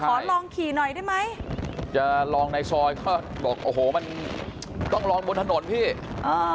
ขอลองขี่หน่อยได้ไหมจะลองในซอยก็บอกโอ้โหมันต้องลองบนถนนพี่อ่า